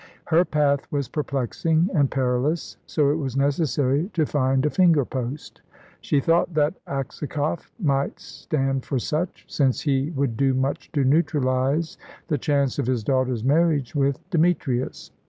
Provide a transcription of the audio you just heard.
Her path was perplexing and perilous, so it was necessary to find a finger post. She thought that Aksakoff might stand for such, since he would do much to neutralise the chance of his daughter's marriage with Demetrius.